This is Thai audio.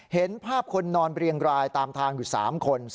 เห็นภาพคนนอนเรียงรายตามทางอยู่๓คน